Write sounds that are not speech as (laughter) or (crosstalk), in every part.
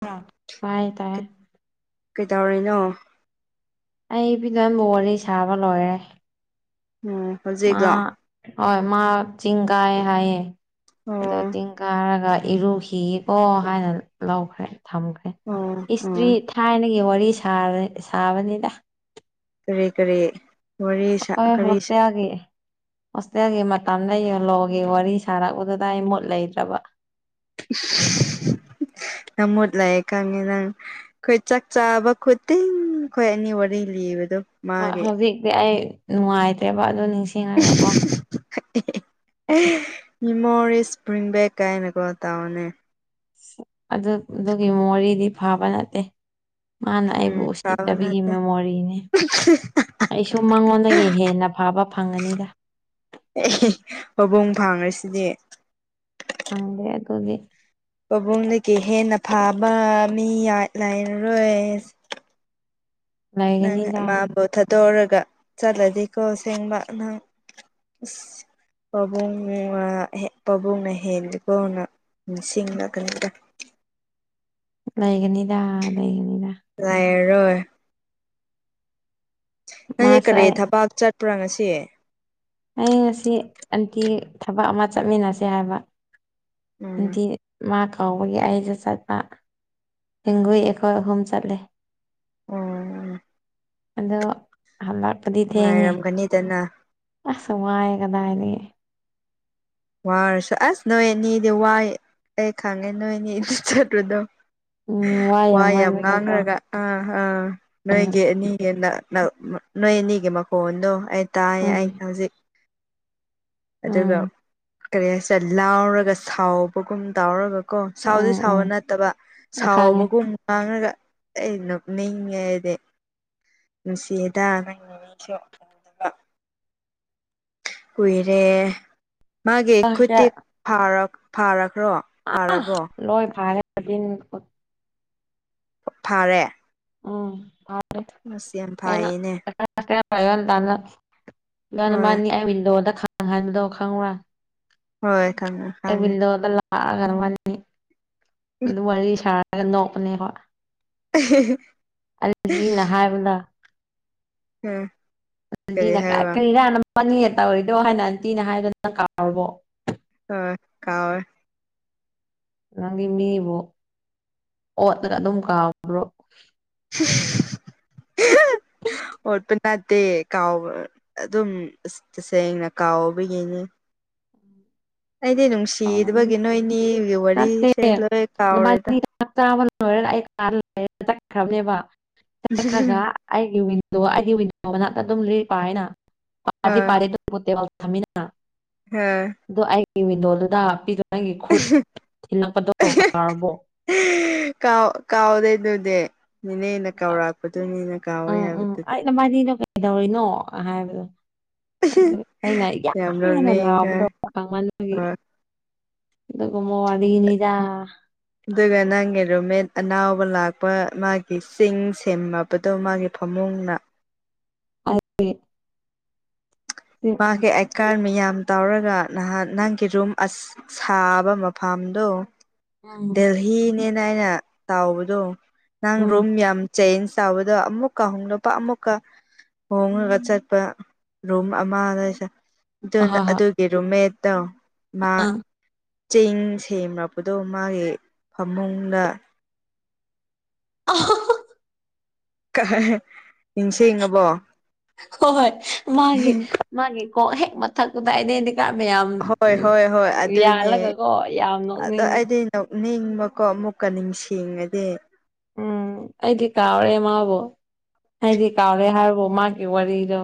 ꯕ꯭ꯔ ꯇꯥꯏ ꯇꯥꯏꯌꯦ ꯀꯩꯗꯧꯔꯤꯅꯣ ꯑꯩ ꯐꯤꯗꯝꯕꯨ ꯋꯥꯔꯤ ꯁꯥꯕ ꯂꯣꯏꯔꯦ ꯎꯝ ꯃꯥ ꯍꯧꯖꯤꯛꯂꯣ ꯍꯣꯏ ꯃꯥ ꯆꯤꯡꯀꯥꯌꯦ ꯍꯥꯏꯌꯦ ꯑꯗꯣ ꯑꯣ ꯆꯤꯡ ꯀꯥꯔꯒ ꯏꯔꯨꯈꯤꯒꯦꯀꯣ ꯍꯥꯏꯅ ꯂꯧꯈ꯭ꯔꯦ ꯊꯝꯈ꯭ꯔꯦ ꯑꯣ ꯏꯁꯇ꯭ꯔꯤ ꯑꯣ ꯊꯥꯏꯅꯒꯤ ꯋꯥꯔꯤ ꯁꯥꯕ ꯁꯥꯕꯅꯤꯗ ꯀꯔꯤ ꯀꯔꯤ ꯋꯥꯔꯤ ꯑꯥ ꯀꯔꯤ ꯍꯣꯁꯇꯦꯜꯒꯤ ꯍꯣꯁꯇꯦꯜꯒꯤ ꯃꯇꯝꯗ ꯌꯦꯂꯣꯒꯤ ꯋꯥꯔꯤ ꯁꯥꯔꯛꯄꯗꯨꯗ ꯑꯩ ꯃꯨꯠ ꯂꯩꯇ꯭ꯔꯕ ꯅꯪ ꯃꯨꯠ ꯂꯩꯌꯦ ꯈꯪꯉꯦ ꯅꯪ ꯑꯩꯈꯣꯏ ꯆꯥꯛ ꯆꯥꯕ ꯈꯨꯗꯤꯡ ꯑꯩꯈꯣꯏ ꯑꯅꯤ ꯋꯥꯔꯤ ꯂꯤꯕꯗꯣ ꯍꯣꯏ ꯃꯥꯒꯤ ꯍꯧꯖꯤꯛꯇꯤ ꯑꯩ ꯅꯨꯡꯉꯥꯏꯇꯦꯕ ꯑꯗꯨ ꯅꯤꯡꯁꯤꯡꯉꯒꯀꯣ ꯃꯤꯃꯣꯔꯤꯡ ꯏꯁꯄ꯭ꯔꯤꯡꯕꯦꯛ ꯀꯥꯏꯅꯀꯣ ꯇꯧꯔꯅꯤ ꯑꯗꯨ ꯑꯗꯨꯒꯤ ꯃꯣꯔꯤꯗꯤ ꯐꯥꯕ ꯅꯠꯇꯦ ꯃꯥꯅ ꯑꯩꯕꯨ ꯎꯝ ꯇꯥꯕ ꯎꯁꯤꯠꯇꯕꯤꯒꯤ ꯅꯠꯇꯦ ꯃꯦꯃꯣꯔꯤꯅꯦ ꯑꯩꯁꯨ ꯃꯉꯣꯟꯗꯒꯤ ꯍꯦꯟꯅ ꯐꯕ ꯐꯪꯒꯅꯤꯗ ꯄꯕꯨꯡ ꯐꯥꯡꯉꯁꯤꯗꯤ ꯐꯪꯗꯦ ꯑꯗꯨꯒꯤ ꯄꯥꯕꯨꯡꯗꯒꯤ ꯍꯦꯟꯅ ꯐꯥꯕ ꯃꯤ ꯌꯥ ꯂꯥꯏꯔꯔꯣꯏ ꯅꯪ ꯂꯩꯒꯅꯤꯗ ꯃꯥꯕꯨ ꯊꯥꯗꯣꯔꯒ ꯆꯠꯂꯗꯤꯀꯣ ꯑꯁꯦꯡꯕ ꯅꯪ ꯑꯁ ꯄꯥꯕꯨꯡꯒꯤ ꯃꯅꯥꯛ ꯍꯦꯛ ꯄꯥꯕꯨꯡꯅ ꯍꯦꯜꯂꯤꯀꯣ ꯅꯪ ꯅꯤꯡꯁꯤꯡꯂꯛꯀꯅꯤꯗ ꯂꯩꯒꯅꯤꯗꯥ ꯂꯩꯒꯅꯤꯗꯥ ꯂꯩꯔꯔꯣꯏ ꯅꯪꯒꯤ ꯃꯥꯁꯨ ꯀꯔꯤ ꯑꯩ ꯊꯕꯥꯛ ꯆꯠꯄ꯭ꯔ ꯉꯁꯤ ꯑꯩ ꯉꯁꯤ ꯑꯟꯇꯤ ꯊꯕꯛ ꯑꯃ ꯆꯠꯃꯤꯟꯅꯁꯦ ꯍꯥꯏꯕ ꯎꯝ ꯑꯟꯇꯤ ꯃꯥ ꯀꯧꯕꯒꯤ ꯑꯩꯖꯨ ꯆꯠꯄ ꯍꯤꯡꯒꯣꯏ ꯑꯩꯈꯣꯏ ꯑꯍꯨꯝ ꯆꯠꯂꯦ ꯎꯝ ꯑꯗꯣ ꯍꯂꯥꯛꯑꯗꯤ ꯊꯦꯡꯉꯦ ꯅꯨꯡꯉꯥꯏꯔꯝꯒꯅꯤꯗꯅ ꯑꯁ ꯋꯥꯏꯌꯦ ꯀꯗꯥꯏꯗꯒꯤ ꯋꯥꯔꯁꯨ ꯑꯁ ꯅꯣꯏ ꯑꯅꯤꯗꯤ ꯋꯥꯏ ꯑꯩ ꯈꯪꯉꯦ ꯅꯣꯏ ꯑꯅꯤꯗꯤ ꯆꯠꯄꯗꯣ ꯎꯝ ꯋꯥꯏ ꯋꯥ ꯌꯥꯝ ꯃꯟꯕꯒꯤꯀꯣ ꯉꯥꯡꯔꯒ ꯑ ꯑ ꯅꯣꯏꯒꯤ ꯎꯝ ꯑꯅꯤꯒꯤ ꯅ ꯅ ꯅꯣꯏ ꯑꯅꯤꯒꯤ ꯃꯈꯣꯟꯗꯣ ꯑꯩ ꯇꯥꯏꯌꯦ ꯑꯩ ꯎꯝ ꯍꯧꯖꯤꯛ ꯑꯗꯨꯒ ꯎꯝ ꯀꯔꯤ ꯍꯥꯏꯁꯤꯔ ꯂꯥꯎꯔꯒ ꯁꯥꯎꯕꯒꯨꯝ ꯇꯥꯎꯔꯒ ꯀꯣ ꯁꯥꯎꯗꯤ ꯎꯝ ꯁꯥꯎꯕ ꯎꯝ ꯅꯠꯇꯕ ꯈꯪꯉꯦ ꯁꯥꯎꯕꯒꯨꯝ ꯉꯥꯡꯔꯒ ꯑꯩꯩ ꯅꯣꯛꯅꯤꯡꯉꯦ ꯑꯩꯗꯤ ꯅꯨꯡꯁꯤꯑꯦꯗꯥ ꯅꯪ ꯅꯃꯤꯡꯁꯨ ꯀꯨꯏꯔꯦ ꯃꯥꯒꯤ ꯈꯨꯠꯇꯤ ꯐꯥꯔꯛ ꯐꯥꯔꯈ꯭ꯔꯣ ꯐꯥꯔꯕꯣ ꯂꯣꯏ ꯐꯥꯔꯦ (unintelligible) ꯐꯥꯔꯦ ꯎꯝ ꯐꯔꯦ ꯑꯁ ꯌꯥꯝ ꯑꯩꯅ ꯐꯩꯌꯦꯅꯦ (unintelligible) ꯃꯥꯅ ꯍꯣꯏ ꯃꯥꯅꯤ ꯑꯩ ꯋꯤꯟꯗꯣꯗ ꯈꯪꯉꯟ ꯕꯗꯣ ꯈꯪꯕ꯭ꯔ ꯍꯣꯏ ꯈꯪꯉꯦ ꯈꯪ ꯑꯩ (unintelligible) ꯂꯥꯛꯑꯒ ꯑꯗꯨ ꯋꯥꯔꯤ ꯁꯥꯔꯒ ꯅꯣꯛꯄꯅꯦꯕ (unintelligible) ꯑꯖꯤꯅ ꯍꯥꯏꯕꯂ ꯎꯝ ꯀꯔꯤ ꯑꯟꯇꯤꯅ ꯍꯥꯏꯕ ꯀꯔꯤꯔ ꯅꯕꯅꯤꯅ ꯇꯧꯔꯤꯗꯣ ꯍꯥꯏꯅ ꯑꯟꯇꯤꯅ ꯍꯥꯏꯕꯗꯣ ꯀꯥꯎꯔꯕꯣ ꯍꯣꯏ ꯀꯧꯋꯦ ꯅꯪꯗꯤ ꯃꯤꯕꯨ ꯑꯣꯠꯂꯒ ꯑꯗꯨꯝ ꯀꯥꯎꯕ꯭ꯔꯣ (unintelligible) ꯑꯣꯠꯄ ꯅꯠꯇꯦ ꯀꯥꯎꯕ ꯑꯗꯨꯝ ꯇꯁꯦꯡꯅ ꯀꯥꯎꯕ ꯌꯦꯡꯉꯤ ꯑꯩꯗꯤ ꯀꯥꯎꯔꯝꯅꯤ ꯅꯨꯡꯁꯤꯗꯕꯒꯤ ꯅꯣꯏ ꯅꯤꯒꯤ ꯅꯠꯇꯦ ꯋꯥꯔꯤꯁꯦ ꯂꯣꯏ ꯀꯥꯎꯔꯦꯗ ꯅꯕꯥꯅꯤ ꯆꯥꯛ ꯆꯥꯕ ꯂꯣꯏꯔꯒ ꯑꯩ (unintelligible) ꯆꯥꯠꯈ꯭ꯔꯒ (unintelligible) ꯑꯩꯒꯤ ꯋꯤꯟꯗꯣ ꯑꯩꯒꯤ ꯋꯤꯟꯗꯣ ꯃꯅꯥꯛꯇ ꯑꯗꯨꯝ ꯂꯩꯔꯤꯛ ꯄꯥꯏꯑꯦꯅ ꯄꯥꯗꯤ ꯍꯣꯏ ꯄꯗꯦ (unintelligible) (unintelligible) ꯑꯗꯣ ꯑꯩꯒꯤ ꯋꯤꯟꯗꯣꯗꯨꯗ ꯍꯥꯄꯤꯗꯣ ꯅꯪꯒꯤ ꯈꯨꯠ ꯊꯤꯜꯂꯛꯄꯗꯣ ꯀꯥꯎꯔꯕꯣ ꯍ ꯀꯥꯎ ꯀꯥꯎꯗꯦꯗꯨꯗꯤ ꯅꯦꯅꯦꯅ ꯀꯥꯎꯔꯛꯄꯗꯨꯅꯤꯅ ꯀꯥꯎꯋꯦ ꯍꯥꯏꯕꯗꯨꯗꯣ ꯅꯃꯥꯗꯤꯗꯣ ꯀꯩꯗꯧꯔꯤꯅꯣ ꯑ ꯍꯥꯏꯕꯗꯣ ꯑꯗꯨ ꯑꯩꯅ ꯌꯥꯝ ꯍꯦꯟꯅ ꯂꯥꯎꯕꯗꯣ ꯀꯪꯃꯟꯕꯒꯤ ꯍꯣꯏ ꯑꯗꯨꯒꯨꯝꯕ ꯋꯥꯔꯤꯅꯤꯗꯥ ꯑꯗꯨꯒ ꯅꯪꯒꯤ ꯔꯨꯝꯃꯦꯠ ꯑꯅꯧꯕ ꯂꯥꯛꯄ ꯃꯥꯒꯤ ꯆꯤꯡ ꯁꯦꯝꯃꯕꯗꯣ ꯃꯥꯒꯤ ꯐꯃꯨꯡꯅ (unintelligible) ꯑꯦꯀꯥꯔ ꯃꯌꯥꯝ ꯇꯧꯔꯒ ꯅꯍꯥꯟ ꯅꯪꯒꯤ ꯔꯨꯝ ꯑꯁ ꯁꯥꯕ ꯃꯐꯝꯗꯣ ꯎꯝ ꯗꯦꯜꯍꯤꯅꯦꯅ ꯑꯩꯅ ꯇꯧꯕꯗꯣ ꯅꯪ ꯎꯝ ꯔꯨꯝ ꯌꯥꯝ ꯆꯦꯟꯖ ꯇꯧꯕꯗꯣ ꯑꯃꯨꯛꯀ ꯅꯨꯄꯥ ꯑꯃꯨꯛꯀ ꯍꯣꯡꯂꯒ ꯆꯠꯄ ꯔꯨꯝ ꯑꯃ ꯂꯩꯁ ꯑꯗꯨꯅ ꯑꯍꯣꯏ ꯍꯣꯏ ꯑꯗꯨꯒꯤ ꯔꯨꯝꯃꯦꯠꯇꯣ ꯃꯥ ꯆꯤꯟ ꯁꯦꯡꯂꯛꯄꯗꯣ ꯃꯥꯒꯤ ꯐꯃꯨꯡꯗ (inaudible) ꯀꯩ ꯅꯤꯡꯁꯤꯡꯉꯕꯣ ꯍꯣꯏ ꯍꯣꯏ ꯃꯥꯒꯤ ꯃꯥꯒꯤ ꯀꯣꯛ ꯍꯦꯛ ꯃꯊꯛꯗꯨꯗ ꯑꯩꯗꯤ ꯌꯥꯝ ꯌꯥꯝ ꯍꯣꯏ ꯍꯣꯏ ꯍꯣꯏ ꯑꯗꯨꯅꯦ ꯌꯥꯜꯂꯒꯀꯣ ꯌꯥꯝ ꯑꯗꯣ ꯅꯣꯛꯅꯤꯡꯉꯤ ꯑꯩꯗꯤ ꯅꯣꯛꯅꯤꯡꯕꯀꯣ ꯑꯃꯨꯛꯀ ꯅꯤꯡꯁꯤꯡꯉꯗꯤ ꯎꯝ ꯑꯩꯗꯤ ꯀꯥꯎꯔꯦ ꯃꯥꯕꯨ ꯍꯥꯏꯗꯤ ꯀꯥꯎꯔꯦ ꯍꯥꯏꯕꯣ ꯃꯥꯒꯤ ꯋꯥꯔꯤꯗꯣ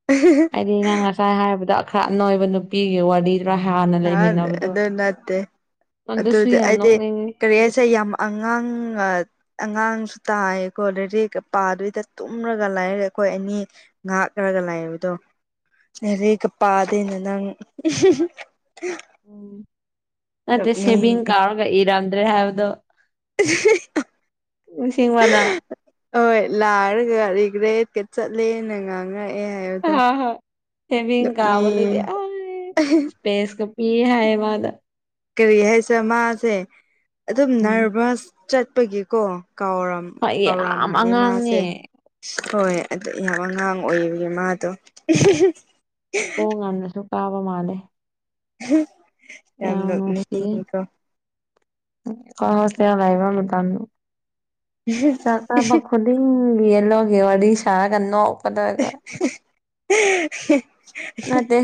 (inaudible) ꯀꯔꯤ ꯅꯪ ꯉꯁꯥꯏ ꯍꯥꯏꯕꯗꯣ ꯈꯔ ꯑꯅꯣꯏꯕ ꯅꯨꯄꯤꯒꯤ ꯋꯥꯔꯤ ꯁꯤꯗ ꯍꯥꯟꯅ ꯑ ꯂꯩꯃꯤꯟꯅꯕꯗꯣ ꯑꯗꯨ ꯅꯠꯇꯦ ꯑꯗꯨꯁꯨ ꯑꯗꯨꯗꯤ ꯌꯥꯝ ꯑꯩꯗꯤ ꯅꯣꯛꯅꯤꯡꯏ ꯀꯔꯤ ꯍꯥꯏꯁꯦ ꯌꯥꯝ ꯑꯉꯥꯡ ꯑꯉꯥꯡꯁꯨ ꯇꯥꯏꯌꯦꯀꯣ ꯂꯥꯏꯔꯤꯛ ꯄꯥꯗꯣꯏꯗ ꯇꯨꯝꯔꯒ ꯂꯩꯔꯦ ꯑꯈꯣꯏ ꯑꯅꯤ ꯉꯥꯡꯔꯒ ꯂꯩꯕꯗꯣ ꯂꯥꯏꯔꯤꯛꯀ ꯄꯥꯗꯦꯅꯦ ꯅꯪ (inaudible) ꯅꯠꯇꯦ ꯁꯦꯚꯤꯡ ꯅꯣꯛꯅꯤꯡꯉꯦ ꯀꯥꯎꯔꯒ ꯏꯔꯝꯗ꯭ꯔꯦ ꯍꯥꯏꯕꯗꯣ ꯅꯤꯡꯁꯤꯡꯕ꯭ꯔ ꯅꯪ (inaudible) ꯍꯣꯏ ꯂꯥꯛꯔꯒ ꯔꯤꯒ꯭ꯔꯦꯠꯀ ꯆꯠꯂꯦꯅ ꯉꯥꯡ ꯄꯨꯔꯛꯑꯦ ꯍꯥꯏꯑꯣ ꯗꯨꯝ ꯍꯥ ꯍꯥ ꯁꯦꯚꯤꯡ ꯅꯣꯛꯅꯤ ꯄꯦꯁꯀ ꯄꯤ ꯍꯥꯏꯌꯦ ꯃꯥꯅ ꯀꯔꯤ ꯍꯥꯏꯁꯤꯔꯥ ꯃꯥꯁꯦ ꯑꯗꯨꯝ ꯎꯝ ꯅꯔꯕꯁ ꯆꯠꯄꯒꯤꯀꯣ ꯀꯥꯎꯔꯝ ꯍꯣꯏ ꯌꯥꯝ ꯀꯥꯎꯔꯝꯃꯅꯤ ꯑꯉꯥꯡꯅꯦ ꯃꯥꯁꯦ ꯍꯣꯏ ꯑꯗꯨ ꯌꯥꯝ ꯑꯉꯥꯡ ꯑꯣꯏꯔꯤꯕꯅꯦ ꯃꯥꯗꯣ ꯁ꯭ꯀꯨꯜ ꯉꯟꯅꯁꯨ ꯀꯥꯕ ꯃꯥꯜꯂꯦ ꯌꯥꯝ ꯅꯣꯛꯅꯤꯡꯉꯤꯀꯣ ꯑꯩꯈꯣꯏ ꯍꯣꯁꯇꯦꯜ ꯂꯩꯕ ꯃꯇꯝꯗꯣ ꯆꯥꯛ ꯆꯥꯕ ꯈꯨꯟ ꯄꯤꯡ ꯌꯦꯂꯣꯒꯤ ꯋꯥꯔꯤ ꯁꯥꯔꯒ ꯅꯣꯛ (inaudible) ꯅꯠꯇꯦ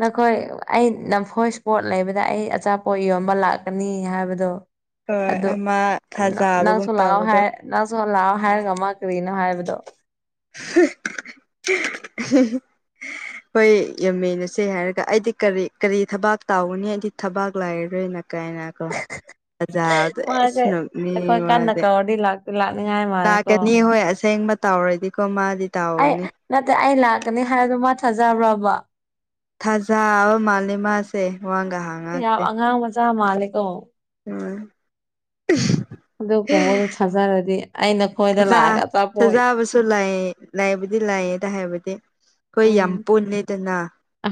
ꯅꯈꯣꯏ ꯑꯩ ꯅꯝꯐꯣꯏ ꯁ꯭ꯄꯣꯠ ꯂꯩꯕꯗ ꯑꯩ ꯑꯆꯥꯄꯣꯠ ꯌꯣꯟꯕ ꯂꯥꯛꯀꯅꯤ ꯍꯥꯏꯕꯗꯣ ꯍꯣꯏ ꯑꯗꯨ ꯑꯃ ꯊꯥꯖꯕꯒꯨꯝ ꯅꯪꯁꯨ ꯂꯥꯛꯑꯣ ꯇꯧꯕꯗꯣ ꯍꯥꯏ ꯅꯪꯁꯨ ꯂꯥꯛꯑꯣ ꯍꯥꯏꯔꯒ ꯃꯥ ꯀꯔꯤꯅꯣ ꯍꯥꯏꯕꯗꯣ (inaudible) ꯈꯣꯏ ꯌꯦꯝꯃꯤꯟꯅꯁꯦ ꯍꯥꯏꯔꯒ ꯑꯩꯗꯤ ꯀꯔꯤ ꯀꯔꯤ ꯊꯕꯛ ꯇꯧꯒꯅꯤ ꯑꯩꯗꯤ ꯊꯕꯛ ꯂꯩꯔꯔꯣꯏꯅ ꯀꯥꯏꯅ ꯀꯣ ꯑꯣꯖꯥꯗꯣ ꯑꯦꯁ ꯃꯥꯁꯦ ꯑꯩꯈꯣꯏ ꯀꯟꯅ ꯅꯣꯛꯅꯤꯡꯋꯥꯁꯦ ꯀꯧꯔꯗꯤ ꯂꯥꯛꯇꯤ ꯂꯥꯛꯅꯤꯡꯉꯥꯏ ꯃꯥꯜꯂꯦꯀꯣ ꯂꯥꯛꯀꯅꯤ ꯍꯣꯏ ꯑꯁꯦꯡꯕ ꯇꯧꯔꯗꯤꯀꯣ ꯃꯥꯗꯤ ꯑꯩ ꯇꯧꯒꯅꯤ ꯅꯠꯇꯦ ꯑꯩ ꯂꯥꯛꯀꯅꯤ ꯍꯥꯏꯕꯗꯣ ꯃꯥ ꯊꯥꯖꯕ꯭ꯔꯣꯕ ꯊꯥꯖꯕ ꯃꯥꯜꯂꯦ ꯃꯥꯁꯨ ꯌꯥꯝ ꯑꯉꯥꯡ ꯃꯆꯥ ꯃꯥꯜꯂꯦꯀꯣ ꯎꯝ ꯑꯗꯨ ꯀꯨꯝꯕꯗꯣ ꯊꯥꯖꯔꯗꯤ ꯑꯩꯅ ꯊꯥꯖ ꯊꯥꯖꯕꯁꯨ ꯂꯩ ꯂꯩꯕꯨꯗꯤ ꯂꯩꯌꯦꯗ ꯍꯥꯏꯕꯗꯤ ꯈꯣꯏ ꯎꯝ ꯌꯥꯝ ꯄꯨꯜꯂꯤꯗꯅ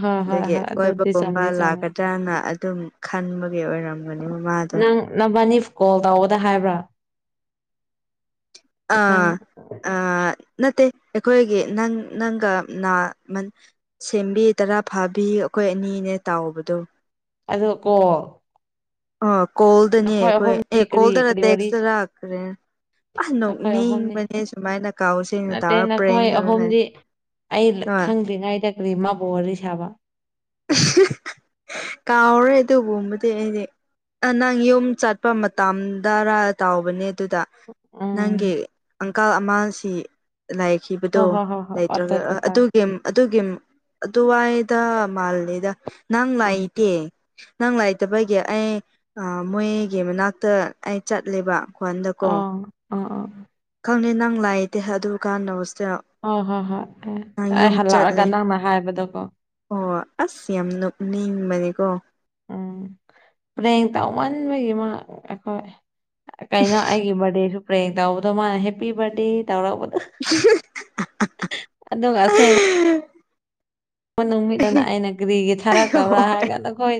ꯍꯣꯏ ꯍꯣꯏ ꯑꯗꯨꯒꯤ ꯍꯣꯏ ꯑꯗꯨꯗꯤ ꯀꯣꯏꯕꯒꯨꯝꯕ ꯆꯨꯝꯗꯤ ꯆꯨꯝꯃꯦ ꯂꯥꯛꯀ (unintelligible) ꯑꯗꯨꯝ ꯈꯟꯕꯒꯤ ꯑꯣꯏꯔꯝꯒꯅꯤꯕ ꯃꯥꯗꯣ꯫ ꯅꯪ ꯅꯕꯥꯅꯤ ꯀꯣꯜ ꯇꯧꯕꯗ ꯍꯥꯏꯕ꯭ꯔꯥ? ꯅꯪ ꯑꯥ ꯑꯥ ꯅꯠꯇꯦ ꯑꯩꯈꯣꯏꯒꯤ ꯅꯪ ꯅꯪꯒ ꯅꯥ ꯃꯟ ꯁꯦꯝꯕꯤ ꯇꯔꯥ ꯐꯥꯕꯤ ꯑꯩꯈꯣꯏ ꯑꯅꯤꯅꯦ ꯇꯥꯎꯕꯗꯨ꯫ ꯑꯗꯣ ꯀꯣ ꯑꯣ ꯀꯣꯜꯗꯅꯦ ꯅꯈꯣꯏ ꯑꯩꯈꯣꯏ ꯑꯍꯨꯝꯗꯤ ꯑꯦ ꯀꯔꯤ ꯀꯣꯜꯗꯔ ꯀꯔꯤ ꯋꯥꯔꯤ ꯇꯦꯛꯁ ꯇꯔꯥ (unintelligible) ꯑꯁ ꯅꯈꯣꯏ ꯑꯍꯨꯝꯅꯤ ꯅꯣꯛꯅꯤꯡꯕꯅꯦ ꯁꯨꯃꯥꯏꯅ ꯀꯥꯎ ꯁꯦꯅ ꯅꯠꯇꯦ ꯇꯧꯔ ꯅꯈꯣꯏ ꯄ꯭ꯔꯦꯟꯀ ꯇꯧꯔ ꯂꯩ꯫ ꯑꯍꯨꯝꯗꯤ ꯑꯩ ꯈꯪꯗ꯭ꯔꯤꯉꯥꯏꯗ ꯀꯔꯤ ꯃꯥꯕꯨ ꯋꯥꯔꯤ ꯁꯥꯕ꯫ (unintelligible) ꯀꯥꯎꯔꯦ ꯑꯗꯨꯒꯨꯝꯕꯗꯤ ꯑꯩꯗꯤ꯫ ꯑ ꯅꯪ ꯌꯨꯝ ꯆꯠꯄ ꯃꯇꯝꯗꯔꯥ ꯇꯧꯕꯅꯦ ꯑꯗꯨꯗ ꯅꯪꯒꯤ ꯎꯝ ꯑꯪꯀꯥꯜ ꯑꯃꯁꯤ ꯂꯩꯈꯤꯕꯗꯣ ꯍꯣꯏ ꯍꯣꯏ ꯍꯣꯏ ꯍꯣꯏ ꯑꯠꯆꯥ ꯂꯩꯇ꯭ꯔꯒ ꯑꯠꯆꯥ ꯑ ꯆꯥ ꯗꯨꯒꯤ ꯑꯗꯨꯒꯤ ꯑꯗꯨꯋꯥꯏꯗ ꯃꯥꯜ ꯂꯤꯗ ꯅꯪ ꯑꯥ ꯂꯩꯇꯦ ꯅꯪ ꯂꯩꯇꯕꯒꯤ ꯑꯩ ꯑ ꯃꯣꯏꯒꯤ ꯃꯅꯥꯛꯇ ꯑꯩ ꯆꯠꯂꯦꯕ꯫ ꯈ꯭ꯋꯥꯟꯗꯀꯣ ꯑꯣ ꯑ ꯑ ꯈꯪꯗꯦ ꯅꯪ ꯂꯩꯇꯦ ꯑꯗꯨ ꯀꯥꯟꯗ ꯍꯣꯁꯇꯦꯜ꯫ ꯍꯣ ꯍꯣꯏ ꯍꯣꯏ ꯑꯦ ꯅꯪ ꯑꯩ ꯌꯨꯝ ꯆꯠꯂꯦ ꯍꯜꯂꯛꯑꯒ ꯅꯪꯅ ꯍꯥꯏꯕꯗꯣꯀꯣ꯫ ꯑꯣ ꯑꯁ ꯌꯥꯝ ꯅꯣꯛ ꯅꯤꯡꯕꯅꯦꯀꯣ꯫ ꯎꯝ ꯄ꯭ꯔꯦꯡꯛ ꯇꯧꯃꯟꯕꯒꯤ ꯃꯥ ꯑꯩꯈꯣꯏ ꯀꯩꯅꯣ ꯑꯩꯒꯤ ꯕꯥꯔꯗꯦꯁꯨ ꯄ꯭ꯔꯦꯡꯛ ꯇꯧꯕꯗꯣ ꯃꯥꯅ ꯍꯦꯞꯄꯤ ꯕꯥꯔ꯭ꯊꯗꯦ ꯇꯧꯔꯛꯄꯗꯣ꯫ (unintelligible) ꯑꯗꯨꯒ ꯑꯁꯦꯡ ꯅꯨꯃꯤꯠꯇꯅ ꯑꯩꯅ ꯀꯔꯤꯒꯤ ꯊꯥꯔꯛꯇꯕ꯭ꯔꯥ ꯍꯣꯏ ꯍꯥꯏꯔꯒꯥꯟꯗ ꯀꯣꯏ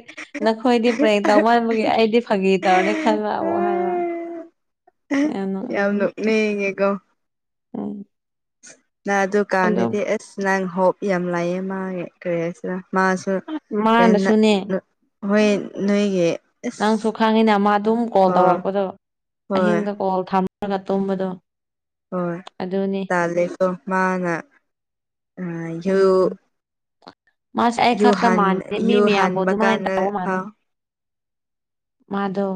ꯅꯈꯣꯏꯗꯤ ꯄ꯭ꯔꯦꯡꯛ ꯇꯧꯃꯟꯕꯒꯤ ꯑꯩꯗꯤ ꯐꯥꯒꯤ ꯇꯧꯔꯅꯤ ꯈꯡꯉꯛꯑꯕꯣ ꯍꯥꯏꯕ꯫ ꯌꯥꯝ ꯅꯣꯛ ꯌꯥꯝ ꯅꯣꯛꯅꯤꯉꯤꯒꯣ ꯎꯝ ꯅꯪ ꯑꯗꯣ ꯑꯗꯨꯀꯥꯟꯗꯗꯤ ꯑꯁ ꯅꯪ ꯍꯣꯞ ꯌꯥꯝ ꯂꯩꯌꯦ ꯃꯥꯒꯤ ꯀꯔꯤ ꯍꯥꯏꯁꯤꯔ ꯃꯥꯁ (unintelligible) ꯀꯦꯟꯅ ꯃꯥꯅꯁꯨꯅꯦ (inaudible) ꯍꯣꯏ ꯅꯣꯏꯒꯤ ꯅꯪꯁꯨ ꯑꯁ ꯈꯪꯉꯤꯅ ꯃꯥ ꯗꯨꯝ ꯀꯣꯜ ꯑꯣ ꯇꯧꯔꯛꯄꯗꯨ, ꯍꯣꯏ ꯑꯍꯤꯡꯗ ꯀꯣꯜ ꯊꯝꯔꯒ ꯇꯨꯝꯕꯗꯣ꯫ ꯍꯣꯏ ꯑꯗꯨꯅꯤ ꯇꯥꯜꯂꯦꯀꯣ ꯃꯥꯅ ꯑ ꯌꯨ ꯎꯝ ꯃꯥꯁꯦ ꯑꯩ ꯌꯨ ꯈꯛꯇ ꯍꯥꯟ ꯃꯥꯥꯟꯗꯦ ꯃꯤ ꯌꯨ ꯃꯌꯥꯝꯕꯨ ꯍꯥꯟꯕ ꯑꯗꯨꯃꯥꯏ ꯀꯥꯟꯗ ꯇꯧꯕ ꯃꯥꯥꯜꯂꯤ꯫ ꯐꯥꯎ ꯃꯥꯗꯣ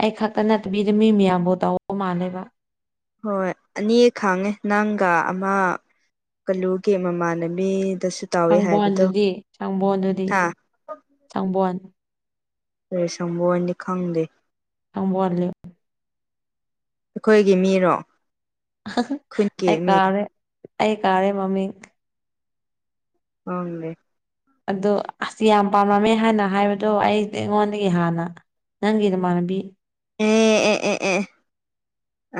ꯑꯩ ꯈꯛꯇ ꯅꯠꯇꯕꯤꯗ ꯃꯤ ꯃꯌꯥꯝꯕꯨ ꯇꯧꯕ ꯃꯥꯜꯂꯦꯕ꯫ ꯍꯣꯏ ꯑꯅꯤ ꯈꯥꯡꯉꯦ ꯅꯪꯒ ꯑꯃ ꯀꯂꯨꯒꯤ ꯃꯃꯥꯟꯅꯕꯤꯗꯁꯨ ꯇꯧꯋꯦ ꯍꯥꯏꯕꯗꯣ ꯁꯪꯕꯣꯟꯗꯗꯤ ꯁꯪꯕꯣꯟꯗꯗꯤ ꯍꯥ ꯁꯪꯕꯣꯟ ꯔꯦ ꯁꯪꯕꯣꯟꯗꯤ ꯈꯪꯗꯦ꯫ ꯑꯝ ꯋꯥꯠꯂꯤ꯫ ꯑꯈꯣꯏꯒꯤ ꯃꯤꯔꯣ? (unintelligible) ꯈꯨꯟꯒꯤ ꯑꯩ ꯃꯤ ꯀꯥꯎꯔꯦ, ꯑꯩ ꯀꯥꯎꯔꯦ ꯃꯃꯤꯡ꯫ ꯄꯥꯡꯗꯦ ꯑꯗꯣ ꯑꯁ ꯌꯥꯝ ꯄꯥꯝꯃꯝꯃꯦ ꯍꯥꯏꯅ ꯍꯥꯏꯕꯗꯣ ꯑꯩꯗꯤ ꯑꯩꯉꯣꯟꯗꯒꯤ ꯍꯥꯟꯅ ꯅꯪꯒꯤ ꯅꯃꯥꯟꯅꯕꯤ ꯑꯦ ꯑꯦ ꯑꯦ ꯑꯦ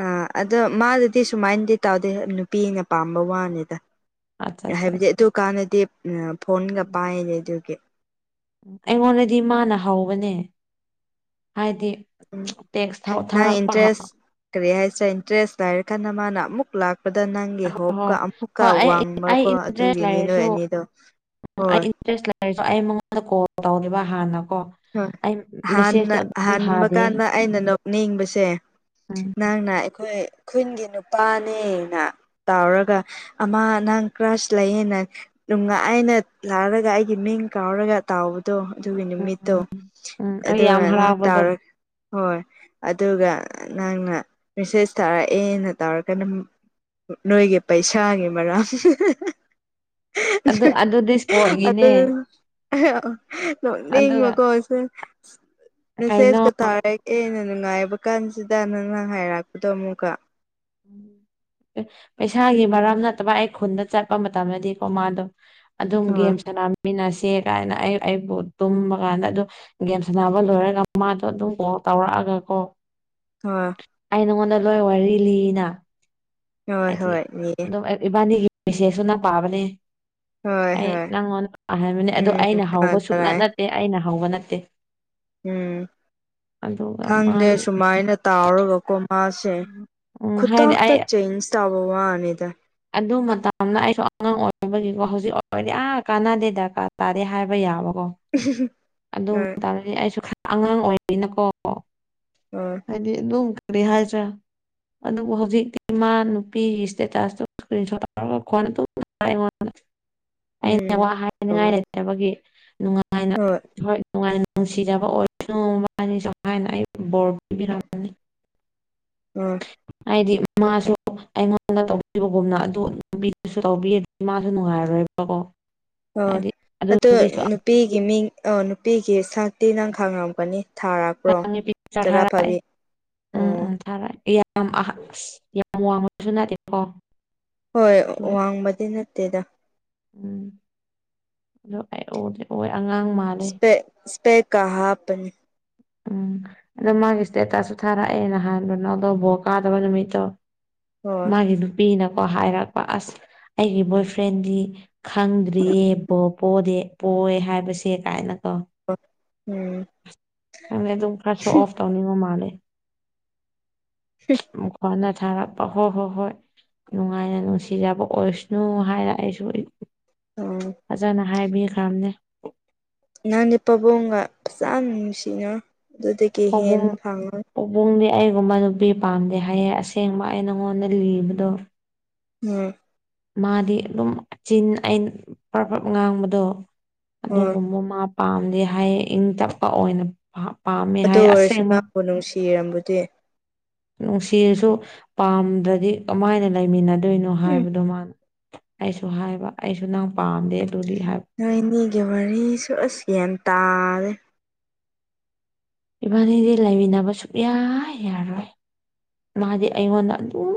ꯑꯥ ꯑꯗꯣ ꯃꯥꯗꯗꯤ ꯁꯨꯃꯥꯏꯟꯗꯤ ꯇꯥꯎꯗꯦ ꯅꯨꯄꯤꯅ ꯄꯥꯝꯕ ꯋꯥꯅꯤꯗ ꯑꯠꯆꯥ ꯑꯠꯆꯥ ꯍꯥꯏꯕꯗꯤ ꯑꯠꯆꯥ ꯑꯗꯨꯀꯥꯟꯗꯗꯤ ꯑ ‌ꯐꯣꯟꯒ ꯄꯥꯏꯗꯦ ꯑꯗꯨꯒꯤ ꯑꯩꯉꯣꯟꯗꯗꯤ ꯃꯥꯅ ꯍꯧꯕꯅꯦ ꯍꯥꯏꯗꯤ ꯎꯝ ꯇꯦꯛꯁ ꯊꯥꯎ ꯅꯪ ꯊꯥꯔꯛꯄ ꯍ ꯏꯟꯇꯔꯦꯁ ꯀꯔꯤ ꯍꯥꯏꯁꯤꯔ ꯏꯟꯇ꯭ꯔꯦꯁ ꯂꯩꯔꯀꯥꯟꯗ ꯃꯥꯅ ꯑꯃꯨꯛ ꯂꯥꯛ ꯄꯗ ꯅꯪꯒꯤ ꯍꯣꯞꯀ ꯍꯣꯏ ꯑꯃꯨꯛꯀ ꯍꯣꯏ ꯑꯩ ꯑꯩ ꯋꯥꯡꯕꯀꯣ ꯏꯟꯇꯔꯦꯁ ꯑꯗꯨꯒꯤꯅꯤ ꯅꯣꯏ ꯑꯅꯤꯗꯣ ꯍꯣꯏ ꯗ꯭ꯔꯦꯁ ꯂꯩꯔꯖꯨ ꯑꯩ ꯃꯉꯣꯟꯗ ꯀꯣꯜ ꯇꯧꯗꯦꯕ ꯍꯥꯟꯅꯀꯣ ꯍꯣꯏ ꯑꯩ ꯃꯦꯁꯦꯖꯇꯣ ꯍꯥꯟꯅ ꯑꯗꯨꯝ ꯍꯟꯕ ꯊꯥꯗꯦ ꯀꯥꯟꯗ ꯑꯩꯅ ꯅꯣꯛꯅꯤꯡꯕꯁꯦ ꯎꯝ ꯅꯪꯅ ꯑꯩꯈꯣꯏ ꯈꯨꯟꯒꯤ ꯅꯨꯄꯥꯅꯦꯅ ꯇꯥꯎꯔꯒ ꯑꯃꯥ ꯅꯪ ꯀ꯭ꯔꯁ ꯂꯩꯌꯦꯅ ꯅꯨꯡꯉꯥꯏꯅ ꯂꯥꯛꯔꯒ ꯑꯩꯒꯤ ꯃꯤꯡ ꯀꯥꯎꯔꯒ ꯇꯥꯎꯕꯗꯣ ꯑꯗꯨꯒꯤ ꯎꯝ ꯅꯨꯃꯤꯠ ꯎꯝ ꯎꯝ ꯑꯩ ꯌꯥꯝ ꯑꯗꯨꯒ ꯅꯪ ꯍꯔꯥꯎꯕꯗꯣ ꯇꯥꯎꯔ ꯍꯣꯏ ꯑꯗꯨꯒ ꯅꯪꯅ ꯃꯦꯁꯦꯖ ꯊꯥꯔꯛꯑꯦꯅ ꯇꯧꯔꯒ ꯅꯝ ꯅꯣꯏꯒꯤ ꯄꯩꯁꯥꯒꯤ ꯃꯔꯝ ꯑꯗꯨ ꯑꯗꯨꯗꯤ ꯏꯁꯄꯣꯔꯠꯒꯤꯅꯦ ꯑꯗꯨ ꯑꯍ ꯑꯗꯨꯒ ꯅꯣꯛꯅꯤꯡꯕꯀꯣ ꯁꯦ ꯀꯩꯅꯣ ꯃꯦꯁꯦꯁꯀ ꯊꯥꯔꯦ ꯑꯦꯅ ꯅꯨꯡꯉꯥꯏꯕ ꯀꯥꯟꯖꯤꯗ ꯅꯪꯅ ꯍꯥꯏꯔꯛꯄꯗꯣ ꯑꯃꯨꯛꯀ ꯑꯦ ꯄꯩꯁꯥꯒꯤ ꯃꯔꯝ ꯅꯠꯇꯕ ꯑꯩ ꯈꯨꯟꯗ ꯆꯠꯄ ꯃꯇꯝꯗꯗꯤꯀꯣ ꯃꯥꯗꯣ ꯑꯗꯨꯝ ꯍꯣꯏ ꯒꯦꯝ ꯁꯥꯟꯅꯃꯤꯟꯅꯁꯦ ꯀꯥꯏꯅ ꯑꯩ ꯑꯩꯕꯨ ꯇꯨꯝꯕ ꯀꯥꯟꯗ ꯑꯗꯣ ꯒꯦꯝ ꯁꯥꯟꯅꯕ ꯂꯣꯏꯔꯒ ꯃꯥꯗꯣ ꯑꯗꯨꯝ ꯀꯣꯜ ꯇꯧꯔꯛꯑꯒ ꯀꯣ ꯍꯣꯏ ꯑꯩ ꯅꯉꯣꯟꯗ ꯂꯣꯏ ꯋꯥꯔꯤ ꯂꯤꯅꯥ ꯍꯣꯏ ꯍꯥꯏꯗꯤ ꯍꯣꯏ ꯑꯗꯨꯝ ꯑꯦ ꯏꯕꯥꯅꯤꯒꯤ ꯃꯦꯁꯦꯁꯁꯨ ꯅꯪ ꯄꯥꯕꯅꯦ ꯍꯣꯏ ꯑꯩ ꯍꯣꯏ ꯅꯪꯉꯣꯟꯗ ꯄꯥꯍꯟꯕꯅꯦ ꯑꯗꯣ ꯎꯝ ꯑꯩꯅ ꯍꯧꯕ ꯁꯨꯞꯅꯠ ꯌꯥꯗꯔꯥꯏ ꯅꯠꯇꯦ ꯑꯩꯅ ꯍꯧꯕ ꯅꯠꯇꯦ ꯎꯝ ꯑꯗꯨꯒ ꯈꯪꯗꯦ ꯃꯥꯗꯤ ꯁꯨꯃꯥꯏꯅ ꯇꯥꯎꯔꯒꯀꯣ ꯃꯥꯁꯦ ꯎꯝ ꯍꯥꯏꯗꯤ ꯈꯨꯇꯥꯛꯇ ꯑꯩ ꯆꯦꯟꯖ ꯇꯧꯕ ꯋꯥꯅꯤꯗ ꯑꯗꯨ ꯃꯇꯝꯗ ꯑꯩꯁꯨ ꯑꯉꯥꯡ ꯑꯣꯏꯕꯒꯤꯒꯣ ꯍꯧꯖꯤꯛ ꯑꯣꯏꯔꯗꯤ ꯑꯥ ꯀꯥꯟꯅꯗꯦ ꯗꯔꯀꯥꯔ ꯇꯥꯗꯦ ꯍꯥꯏꯕ ꯌꯥꯕꯀꯣ ꯑꯗꯨ ꯍꯣꯏ ꯃꯇꯝꯗꯗꯤ ꯑꯩꯁꯨ ꯈꯔ ꯑꯉꯥꯡ ꯑꯣꯏꯔꯤꯅꯀꯣ ꯑ ꯍꯥꯏꯗꯤ ꯑꯗꯨꯝ ꯀꯔꯤ ꯍꯥꯏꯁꯤꯔꯥ ꯑꯗꯨꯕꯨ ꯍꯧꯖꯤꯛꯇꯤ ꯃꯥ ꯅꯨꯄꯤꯒꯤ ꯁ꯭ꯇꯦꯇꯥꯁꯇꯣ ꯀ꯭ꯔꯤꯟꯁꯣꯠ ꯂꯧꯔꯒ ꯈꯣꯟ ꯑꯗꯨꯝ ꯑꯩꯉꯣꯟꯗ ꯑꯩꯅ ꯎꯝ ꯋꯥ ꯍꯥꯏ ꯍꯥꯏꯅꯤꯉꯥꯏ ꯂꯩꯇ꯭ꯔꯕꯒꯤ ꯅꯨꯡꯉꯥꯏ ꯍꯣꯏ ꯍꯣꯏ ꯅꯨꯡꯉꯥꯏ ꯅꯨꯡꯁꯤꯖꯕ ꯑꯣꯏꯁꯅꯨ ꯃꯕꯥꯅꯤꯁꯨ ꯍꯥꯏꯅ ꯑꯩ ꯕꯣꯔ ꯄꯤꯕꯤꯔꯝꯕꯅꯤ ꯎꯝ ꯍꯥꯏꯗꯤ ꯃꯥꯁꯨ ꯑꯩꯉꯣꯟꯗ ꯇꯧꯕꯤꯕꯒꯨꯝꯅ ꯑꯗꯨ ꯅꯨꯄꯤꯗꯁꯨ ꯇꯧꯕꯤꯔꯗꯤ ꯃꯥꯁꯨ ꯅꯨꯡꯉꯥꯏꯔꯣꯏꯕ ꯀꯣ ꯍꯥꯏꯗꯤ ꯑꯗꯨ ꯅꯨꯄꯤꯁꯣ ꯄꯤꯒꯤ ꯃꯤꯡ ꯑꯣ ꯅꯨꯄꯤꯒꯤ ꯁꯛꯇꯤ ꯅꯪ ꯈꯪꯔꯝꯒꯅꯤ (inaudible) ꯊꯥꯔꯑꯦ ꯎꯝ ꯑꯣ ꯎꯝ ꯊꯔꯛꯑꯦ ꯌꯥꯝ ꯑꯍꯟ ꯑꯁ ꯌꯥꯝ ꯋꯥꯡꯕꯁꯨ ꯅꯠꯗꯦꯀꯣ ꯍꯣꯏ ꯋꯥꯡꯕꯗꯤ ꯅꯠꯇꯦꯗ ꯎꯝ ꯑꯗꯨ ꯑꯩ (unintelligible) ꯑꯣꯏ ꯑꯉꯥꯡ ꯃꯥꯜꯂꯦ ꯁ꯭ꯄꯦꯛ ꯁ꯭ꯄꯦꯛ ꯀ ꯍꯥꯞꯄꯅꯤ ꯎꯝ ꯑꯗꯣ ꯃꯥꯒꯤ ꯏꯁꯇꯦꯇꯁꯁꯨ ꯊꯥꯔꯛꯑꯦ ꯅꯍꯥꯟ ꯅꯣ ꯀꯩꯅꯣꯗꯣ ꯕꯣꯜ ꯀꯥꯗꯕ ꯅꯨꯃꯤꯠꯇꯣ ꯍꯣꯏ ꯃꯥꯒꯤ ꯅꯨꯄꯤꯅꯀꯣ ꯍꯥꯏꯔꯛꯄ ꯑꯁ ꯑꯩꯒꯤ ꯕꯣꯏ ꯐ꯭ꯔꯦꯟꯗꯤ ꯈꯪꯗ꯭ꯔꯤꯌꯦ ꯕꯣꯜ ꯄꯣꯗꯦ ꯄꯣꯢ ꯍꯥꯏꯕꯁꯦ ꯀꯥꯏꯅꯀꯣ ꯑꯥ ꯎꯝ ꯈꯪꯗꯦ ꯑꯗꯨꯝ ꯈꯔ ꯁꯣ ꯑꯣꯐ ꯇꯧꯅꯤꯡꯕ ꯃꯥꯜꯂꯦ ꯃꯈꯣꯟꯅ ꯊꯥꯔꯛ ꯑ ꯍꯣ ꯍꯣ ꯍꯣꯏ ꯅꯨꯡꯉꯥꯏꯅ ꯅꯨꯡꯁꯤꯖꯕ ꯑꯣꯏꯁꯅꯨ ꯍꯥꯏꯔ ꯑꯩꯁꯨ ꯑꯌꯨꯛ ꯑꯣ ꯐꯖꯅ ꯍꯥꯏꯕꯤ ꯈ꯭ꯔꯝꯅꯦ ꯅꯪꯗꯤ ꯄꯥꯕꯨꯡꯒ ꯐꯖꯅ ꯅꯨꯡꯁꯤꯅꯧ ꯑꯗꯨꯗꯒꯤ ꯍꯦꯟ ꯐꯪꯉꯣ ꯄꯕꯨꯡꯗꯤ ꯑꯩꯒꯨꯝꯕ ꯅꯨꯄꯤ ꯄꯥꯝꯗꯦ ꯍꯥꯏꯌꯦ ꯑꯁꯦꯡꯕ ꯑꯩ ꯅꯪꯉꯣꯟꯗ ꯂꯤꯕꯗꯣ ꯎꯝ ꯃꯥꯗꯤ ꯑꯗꯨꯝ ꯑꯆꯤꯟ ꯑꯩꯅ ꯄ꯭ꯔꯞ ꯄ꯭ꯔꯞ ꯉꯥꯡꯕꯗꯣ ꯎꯝ ꯑꯗꯨꯒꯨꯝꯕꯃꯥ ꯄꯥꯝꯗꯦ ꯍꯥꯏꯌꯦ ꯏꯪ ꯇꯞꯄ ꯑꯣꯏꯅ ꯄꯥ ꯄꯥꯝꯃꯦ ꯑꯗꯨ ꯍꯥꯏꯌꯦ ꯑꯣꯏꯔꯁꯨ ꯑꯁꯦꯡꯕ ꯅꯪꯕꯨ ꯅꯨꯡꯁꯤꯔꯝꯕꯗꯤ ꯅꯨꯡꯁꯤꯔꯁꯨ ꯄꯥꯝꯗ꯭ꯔꯗꯤ ꯀꯃꯥꯏꯅ ꯂꯩꯃꯤꯟꯅꯗꯣꯏꯅꯣ ꯎꯝ ꯍꯥꯏꯕꯗꯣ ꯃꯥ ꯑꯩꯁꯨ ꯍꯥꯏꯕ ꯑꯩꯁꯨ ꯅꯪ ꯄꯥꯝꯗꯦ ꯑꯗꯨꯗꯤ ꯍꯥꯏꯕ ꯅꯣꯏꯅꯤꯒꯤ ꯋꯥꯔꯤꯁꯨ ꯑꯁ ꯒ꯭ꯌꯥꯟ ꯇꯥꯔꯦ ꯏꯕꯥꯅꯤꯗꯤ ꯂꯩꯃꯤꯟꯅꯕ ꯁꯨꯛꯌꯥ ꯌꯥꯔꯣꯏ ꯃꯥꯗꯤ ꯑꯩꯉꯣꯟꯗ ꯑꯗꯨꯝ